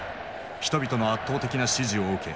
人々の圧倒的な支持を受け